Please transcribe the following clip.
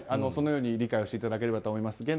そのように理解していただければと思います。